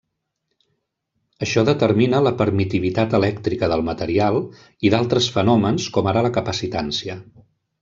Això determina la permitivitat elèctrica del material i d'altres fenòmens com ara la capacitància.